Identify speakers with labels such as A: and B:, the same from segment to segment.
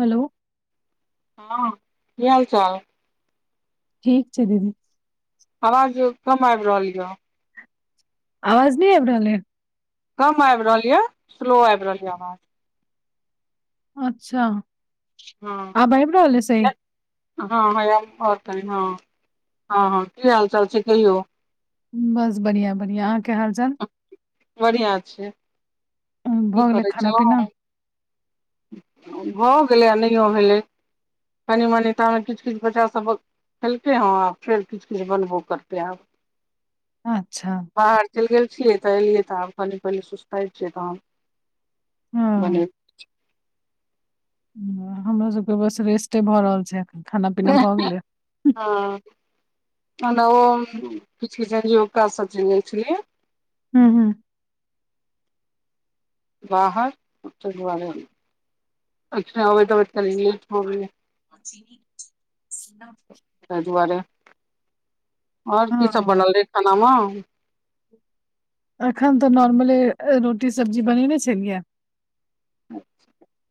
A: Hello
B: हँ [inaudible] कि हाल चाल
A: ठीक छै दीदी
B: आवाज कम आइब रहल यऽ
A: आवाज नहि आइब रहलै
B: कम आइब रहल यऽ स्लो आइब रहल यऽ आवाज
A: अच्छ
B: हँ
A: [inaudible] आब आइब रहल यऽ सही
B: हँ हँ ऐल तऽ तनि [inaudible] हँ हँ की हाल चाल छै कहियौ
A: बस बरियां बरियां अहाँकेँ हाल चाल
B: [inaudible] बरियां छै की
A: भऽ गेलै
B: करै
A: खाना पीना
B: छलहुँ भऽ गेलै आ नहिओ भेलै [inaudible] कनि मनि तामे किछ किछ बच्चासभ खेलकेँ ह आ फेर किछ किछ बनबो करतेै आब
A: [inaudible] अच्छ
B: बाहर चैल गेल छियै तऽ एलियै तऽ आब कनि पहिले सुस्तइ छियै तहन
A: हँ
B: [unintelligible]
A: हमरा सब केँ बस रेस्टे भऽ रहल छै अखन खाना पीना भऽ गेले
B: [unintelligible]
A: हू हू
B: बाहर [unintelligible] लेट भऽ गेलै
A: [inaudible]
B: तै दुआरे आओर की सब
A: हँ
B: बनल रहै खाना मे
A: अखन तऽ नॉर्मले रोटी सब्जी बनेने छलियै
B: [inaudible]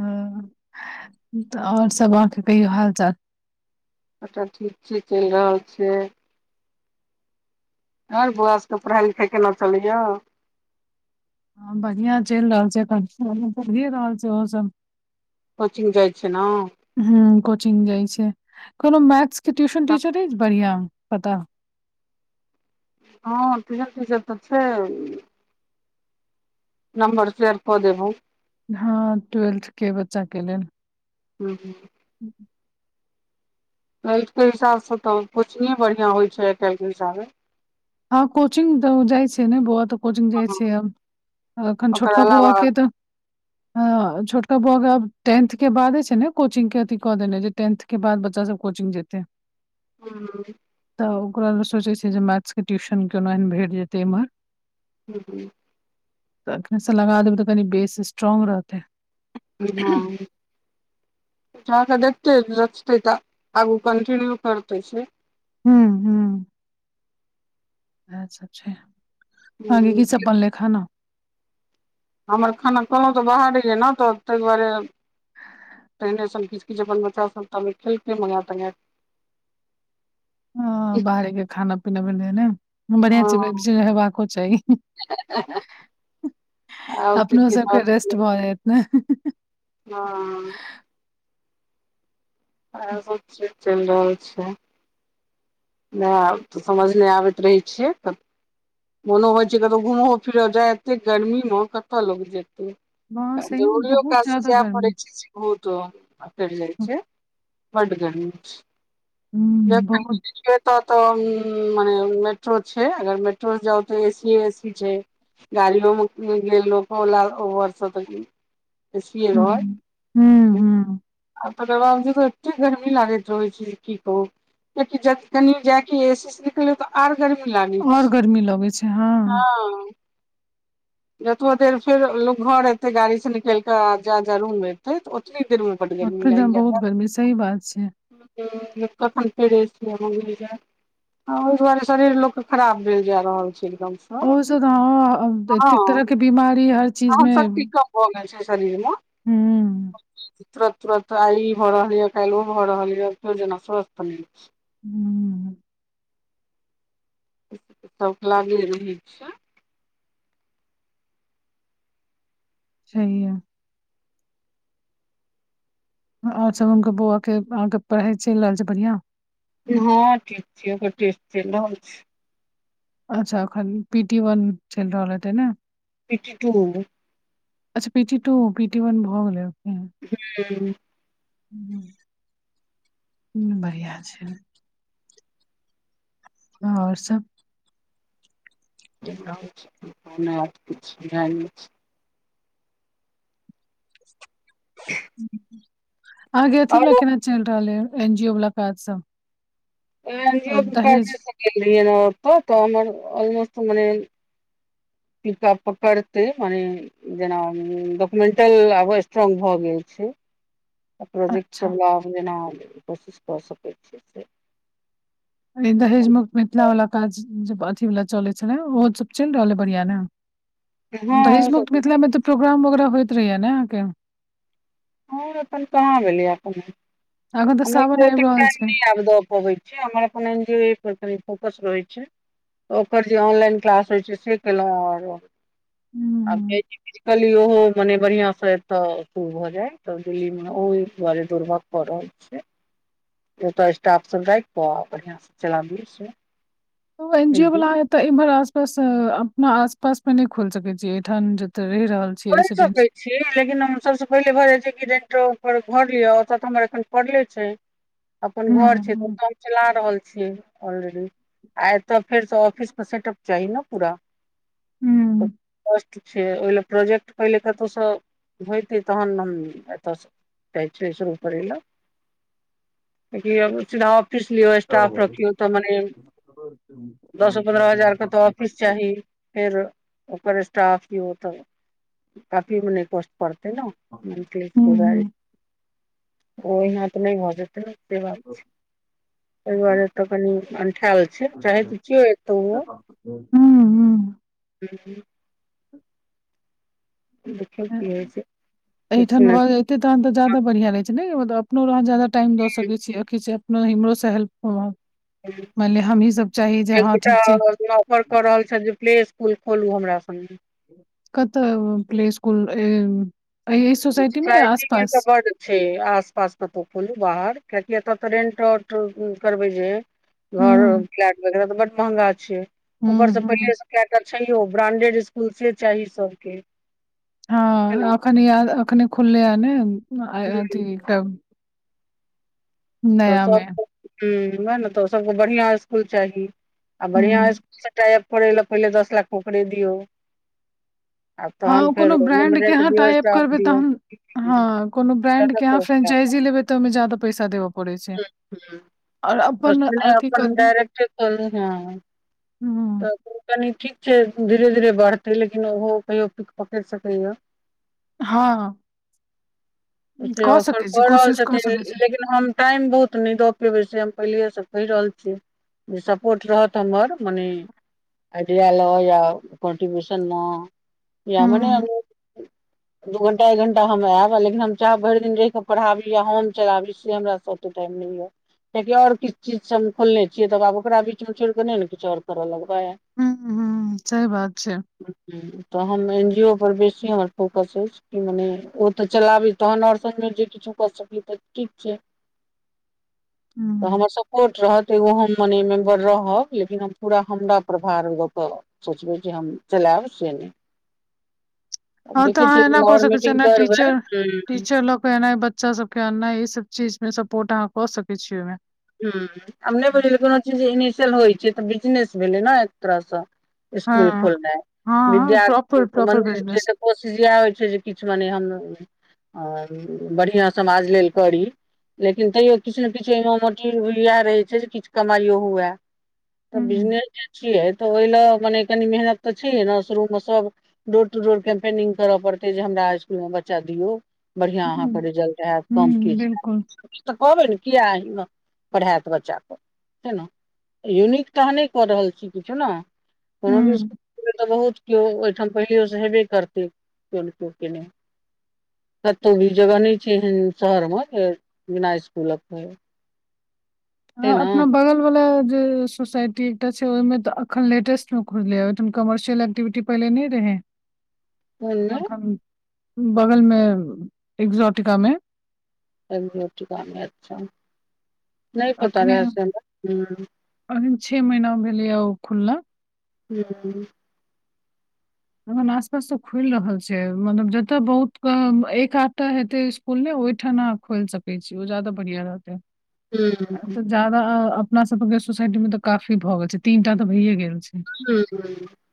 A: ह तऽ आओर सब आहाके कहियो हाल चाल
B: सबटा ठीक छै चलि रहल छैय हर बौआ सबके पढ़ाई लिखाई केना चलैय
A: ह बढ़िया चलि रहल छै पढ़िए रहल छै ओहो सब
B: कोचिंग जाइ छै न
A: हम्म कोचिंग जाइ छै कोनो मैथ्स के ट्यूशन टीचर बढ़िआ पता
B: हँ ट्यूशन टीचर तऽ छै नबम्मर सैयर कऽ देेब हम्म।
A: हँ टुय्वेल्थ के बच्चा के लेल।
B: हू हू
A: [inaudible]
B: टुय्वेल्थ के हिसाबसँ तऽ कोचिंगे बढ़िआँ होइ छै आइ काल्हिके हिसाबे
A: हँ कोचिंग तऽ जाइ छै ने बौआ त कोचिंग जाइ छै आब अखन
B: ओकर
A: छोटका बोआ
B: अलावा
A: के तऽ छोटका बौआ के आब टेंथ के बादे छै ने कोचिंग के अथी कऽ देने जे टेंथ के बाद बच्चा सब कोचिंग जेते [inaudible]
B: हँ
A: तऽ ओकरा लेल सोचै छियै जे मैथ्स के ट्यूशन केना हीन भेट जेतै एम्महर।
B: [inaudible]
A: तऽ एखनेसँ लगा देबै तऽ कनि बेस स्ट्रोंग रहतै।
B: हँ कऽ क देखते रचतै तऽ आगू कंटिन्यू करतै से
A: हूँ हू ईहा सब छै अगे
B: हूँ
A: की सब बनलेय खाना।
B: हमर खाना कहलहुँ तऽ बाहरे य ने तऽ ताहि दुआरे तहिने सब किछु जे अपन बचा संग तबै खेलके मंगा तनै
A: ह
B: के
A: बाहरेके खाना पीना भेल ने बढ़िया
B: हँ
A: छै बीच बीच मे हेबाको चाही
B: आ किछु
A: अपनो
B: किछु
A: सबके
B: आओर
A: रेस्ट भऽ जायत ने
B: हँ इहा सब चीज चलि रहल छै नहि आब तऽ समझ नहि आबैत रहै छियै। मनो होइ छै कतहु घूमहो फिरहो जाय एतेक गर्मीमे कतय लोग जेतै
A: बहुत सही मे
B: जरूरीयो
A: बहुत
B: काज
A: ज्यादा
B: जाय पड़ै
A: गर्मी
B: छै ओ तऽ फेर जाइ छै बड्ड गर्मी छै
A: हुँ बहुत
B: नहि [unintelligible] ऐत तऽ माने मेेट्रो छैय अगर मेट्रो जाउ तऽ एसी एसी छै गाड़ियोमे गेल लोकला ओर स तऽ एसीये
A: ह
B: रहल
A: हू हू
B: आ तकर बाद जेबेय एते गर्मी लागैत रहैत छै की कहू कि कनी जायके एसी सीट तऽ आर गर्मी लागै
A: और गर्मी लगै
B: छै हँ जतबो देर फेर लोग घर एते गाड़ी से निकलि के जा ज रूम एते त ओतनी देर मे बड गर्मी
A: ओते द
B: लागि जायत
A: बहुत गर्मी सही बात छै
B: कखन पड़स म [unintelligible] आ ओहि दुआरे शरीर लोक के खराब भेल जा रहल छै एकदम स
A: ओ सब तो हं एतेक तरह के बीमारी हर चीज मे
B: हो गेल छै शरीर म
A: हू
B: तुरत तुरत आइ ई भऽ रहल यऽ काल्हि ओ भऽ रहल य फेर जेना स्वस्थ नै छै
A: हूं
B: [unintelligible] लागिये रहै छै
A: छैहे आओर सब हुनकर बौआ के अहाँके पढ़ाइ चलि रहल छै बढ़ियां
B: हँ ठीक छै ओकर टेस्ट चली रहल छै
A: अच्छा अखन पी टी वन चलि रहल हेतै ने
B: पी टी टू
A: अच्छा P T two PT one भऽ गेलै
B: हँ
A: ह बढ़िआँ छै आओर सब
B: झ [unintelligible]
A: अहाँ के अथी वला केना चलि रहल य एन जी ओ वला काज सब
B: एन जी ओ
A: और
B: के काजे
A: दहेज
B: स गेल रहियै ओत तऽ हमर ऑलोस्ट मने पिकप पकरतै मने जेना डॉक्युमेंटल आब स्ट्रोंग भऽ गेल छै प्रोजेक्ट
A: अच्छा
B: सब लाभ जेना कोशिश कऽ सकैत छै जे
A: दहेजमेख मिथिला वालला काज ज अथी वालला चलै छलै ओहो सब चलि रहल है बढ़िया ने
B: हँ
A: दहेज
B: ओ
A: मुक्त
B: सब
A: मिथिला मे तऽ प्रोग्राम वगेरा होयइत रहहिया ने अहाँके
B: हं अखन कहाँ भेलैया
A: अखन तऽ
B: कोनो
A: सावन
B: [unintelligible]
A: आबि रहल
B: टाम
A: छै
B: नहि आब दऽ पबै छी छियै हमर अपन एन जी ओ ऐ पर फोकस रहै छै ओकर जे ऑनलाइन क्लास रहै छई से केलौं और आ
A: हूँ
B: [unintelligible] ओहो मने बढ़िआं से तऽ खू भऽ जाय तब दिल्ली मे ओ दुआरे दुर्गम कऽ रहल छै ओ [unintelligible] स्टाफ सब राखि क आ बढ़िआ से चलाबियौ से
A: ओहो एन जी ओ बला तऽ इम्हर आस पास अपना आस पास मेे न खोइल सके छीे एठाम जते रहि रहल छियै रेसिडेंट
B: [unintelligible] ै छीऽ लेकिन हम सबस पहिले भऽ जाइ छै कि रेंटो पर घर लिअ ओतऽ तऽ हमर एखन पड़ले छै अपन
A: हूँ
B: घर छै तऽ
A: हूँ
B: काम चला रहल छीयै ऑलरेडी आ एतऽ फेर स ऑफिस के सेटप चाही ने पूरा
A: हूँ
B: कष्ट छै ओहि ले प्रोजेक्ट पहिले कतहुस होइतै तहन हम एतयसँ कहै छई शुरू करै ले किएकी अब [unintelligible] फिस लियौ स्टाफ रखियौ तऽ मने दसो पन्द्रह हजार के तऽ ऑफिस चाही फेर ओकर स्टाफ भी होतऽ काफी मने कष्ट पड़तै न मंथली
A: हूँ
B: [unintelligible] ओहिना तऽ नहि भऽ जेतै ने से बात छै एहि दुआरे तऽ कनी अंठाल
A: हूं हूं।
B: [inaudible] [unintelligible]
A: ह
B: देखियौ की होइ छै किछु
A: एहिठाम
B: नहि
A: भऽ जेते तहन तऽ जदा बढ़िया रहे छै ने मतलब अपनो रह जादा टाइम दऽ सकै छी आ किछ अपनो इमहरो से हेल्प मानलिय हमही सब चाही जे हँ ठीक छै।
B: पर कऽ रहल छैथ जे प्ले स्कुल खोलू हमरा संगे।
A: कतअ प्ले स्कूल य अय सोसाइटी मे या आस पास।
B: छै आस पास कतौ खोलू बाहर कियाकि एतऽ तऽ रेंट आउट करबै जे।
A: हूँ
B: घर फ्लैट वगैरह तऽ बड महँंगा छै
A: हूँ
B: ऊपरसँ
A: हूँ
B: पहिले स। केऽ क छैहो ब्रांडेड स्कुल से चाही सबके। है
A: हँ
B: न
A: अखन याद अखने खुलैया ने
B: हुं
A: अथी टा।
B: तऽ
A: मे
B: सभके हुं उएह ने तऽ सभके बढ़िआँ स्कुल चाही आ बढ़िआँ
A: हूँ
B: स्कु। सबटा एप [unintelligible] पहिले दस लाख ओकरे दियौ। आ
A: हँ
B: तहन
A: ओ
B: फेर
A: कोनो
B: रूम
A: ब्रैंड के
B: रेंट
A: अहाँ
B: दियौ
A: टायप
B: स्टाफ
A: करबै
B: दियौ
A: तहन हँ कोनो ब्रैंड
B: ज्यादा
A: के अहाँ फ्रेंचाइजी लेबै। त ओमे जादा पैसा देब
B: तखने तखने
A: अथी
B: अपन
A: करबै
B: डायरेक्टे क लिहें।
A: हूँ
B: त फेर। कनी ठीक छै धीरे धीरे बढ़तै लेकिन ओहो कहियो पीक पकड़ि सकैय
A: हं
B: ओ से ऑफर
A: छी
B: कऽ रहल
A: कोशिश कऽ सकै
B: छथिन
A: छी
B: लेकिन। हम टाइम बहुत नहि दऽ पेबै से हम पहिलेहे से कहि रहल छीयै जे सपोर्ट रहत हमर मनेई आइडिया लगेय कन्ट्रब्यूशन म या
A: हूँ
B: मने। दू घंटा एक घंटा हम ऐब लेकिन हम चाहब भरि दिन रहि कऽ पढ़ाबी या हम चलाबी। से हमरा स ओते टाइम नइ य किआकि आओर किछ चीज सब हम खोलने छियै तब आब ओकरा बीच मे छोड़िक नै न किछ आओर करऽ लगबै।
A: हुं हुं सही बात छै।
B: तऽ हम एन जी ओ पर बेसी हमर फोकस ऐछ। कि मने ओ तऽ चलाबी तहन और सब मे जे किछु क सकी तऽ ठीक। के।
A: हूं
B: तऽ हमर सपोर्ट रहत एगो हम मने मेम्बर रहब लेकिन हम पूरा हमरा पर भार दऽ कऽ। सोचबै कि हम चलैब से नै।
A: हँ तऽ अहाँ एना क
B: आओर
A: सकै छियै
B: मीटिंग
A: ने
B: करबै
A: टीचर
B: हूँ
A: टीचर लँ क एनाई बच। बच्चा सब के अन्नाइ ई सब चीज में सपोर्ट अहाँ क सकै छीयै ओइमे।
B: हूं आब नहि बुझलियै कोनो चीज इनिशियल होइ छै तऽ बिजनेस भेलै ने एक तरह सँ। इसकुल
A: हँ
B: खोलनाई
A: हँ
B: विद्याक
A: प्रॉपर प्रॉपर
B: मंदिर छै
A: बिजनेस
B: तऽ कोशिश यैह होइ छै जे किछ मने हम। आर बढ़िया समाज लेल करी। लेकिन तैयो किछ ने किछ एहिमे हमर। तील भील इएह रहै छै जे किछु कमाइयो हुए। तऽ
A: हूँ
B: बिजनेस जे छियै तऽ ओहि ले मने कनी मेहनत। तऽ छैे ने शुरूम सब डोर टू डोर कैम्पेनिंग करऽ पड़ते जे हमरा इसकुल मऽ बच्चा दियौ बढ़िआँ अहाँ केँ
A: हूँ
B: रिजल्ट ऐत कम
A: हूँ
B: किछ
A: बिल्कुल
B: [inaudible] तऽ कहबै ने किया एहिमे पढ़ायत बच्चाकेँ छै नऽ यूनीक तह अहाँ नहि कऽ रहल छी किछो नऽ कोनो
A: हूँ
B: [unintelligible] तऽ बहुत केओ ओहिठाम पहियोसँ हेबे करतै केओ नै केओ केँ नै कतहु भी जगह नहि छै एहन शहर मऽ बिना इसकुलक छै
A: ह
B: ने
A: अपना बगल वला जे सोसाइटी एकटा छै ओहिमे तऽ अखन लेटेस्ट मऽ खुजले कमर्शियल एक्टिविटी पहिले नै रहै
B: कोन
A: [inaudible]
B: मे
A: अखन इ [inaudible] बगल मे एग्जॉटिका में
B: एग्जॉटिका में अच्छ [inaudible] नहि पता रहै स हमरा
A: पाँच छेह महीना भेलै आ ओ खुलला।
B: [unintelligible]
A: एखन आस पास तऽ खुलि रहल छै मतलब जतय बहुत कऽ ऐकात तऽ हेतै खुलले ओहिठा ना खोल सकैत छी ओ ज्यादा बढ़िया रहतै
B: [unintelligible]
A: जदा आ अपना सब केँ सोसाइटी मे तऽ काफी भऽ गेल छै तीनटा तऽ भैए गेल छै
B: [unintelligible]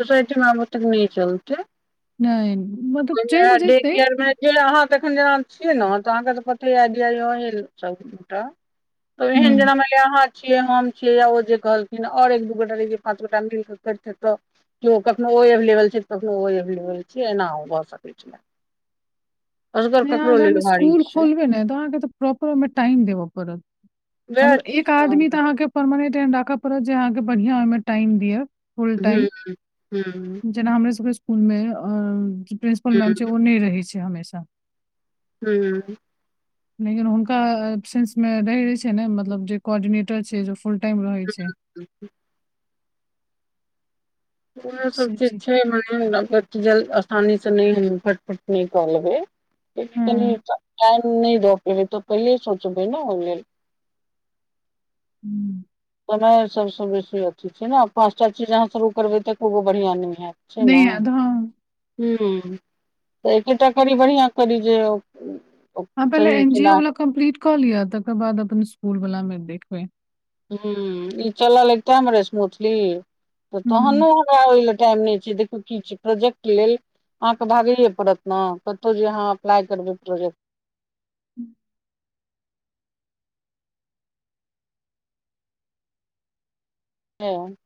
B: सोसायटी मऽ आब औतै नै चलतै
A: नै मतलब
B: ओहिमे
A: चैल
B: डे
A: जेतै
B: केयर मे जे अहाँ तऽ एखन जेना छियै ने तऽ अहाँकेँ तऽ पते हैत [unintelligible] रहे सबटा तऽ ऐहेन
A: हुँ,
B: जेना माइन लिय अहाँ छिय हम छीय ओ जे कहलखिन और एक दू गोटा रहतिय तऽ पाँच गोटा मिल केँ कैरतैह तऽ के ओ कखनो ओ एवलेवल छै कखनो ओ एवलेबल छै एना भऽ सकैत छै
A: नै अहाँ जहन
B: भारी
A: इसकुल
B: छै
A: खोलबै ने तऽ अहाँ केँ तऽ प्रॉपर ओइम टाइम देब पड़त
B: वएह
A: मतलब एक आदमी
B: हूँ
A: तऽ अहाँकेँ परमानेंट एहन राखय पड़त जे अहाँकेँ बढ़िआँ ओइमें टाइम दिअ फुल टाइम,
B: [unintelligible]
A: जेना हमरे सबकेँ इसकुलमे प्रिन्सिपल
B: हूँ
A: मैम छै ओ नहि रहै छै हमेशा
B: हू
A: लेकिन हुनका सेंस मे रहै छै ने मतलब जे कोर्डिनेटर छै जे फुल टाइम रहैत छै
B: इहो सब चीज [unintelligible] जल स्थानी से नहि फटफट नै निकाल
A: हम्म
B: [unintelligible] टाइम नै द पेै तो पहिले सोचो भ न ओ लेल
A: हूँ
B: पताए सबसँ बेसी अथी छै ने पाँचटा चीज अहाँ शुरू करबै तऽ एकगो बढ़िआँ नहि हयैत छै
A: नहि
B: नऽ
A: याद हँ
B: हू तऽ एकेटा करी बढ़िआँ करी जे ओ-
A: ह पहिले
B: सही
A: एन जी
B: केना
A: ओ वाला कम्प्लीट कऽ लि तकर बाद अपन इसकुल वाला में देखबे
B: ह ई चलल एते रे स्मूथली [inaudible] तऽ तहन
A: हम्म
B: हमरा ओइ लऽ टाइम नहि छै देखू की छै प्रोजेक्ट लेल अहाँकेँ भागैए पड़त नऽ कतौ जे अहाँ अप्लाई करबै प्रोजेक्ट हँ